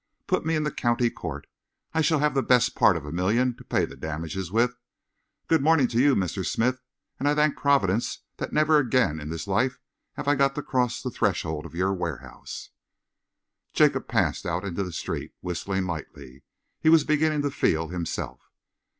"Put me in the County Court. I shall have the best part of a million to pay the damage with. Good morning to you, Mr. Smith, and I thank Providence that never again in this life have I got to cross the threshold of your warehouse!" Jacob passed out into the street, whistling lightly. He was beginning to feel himself.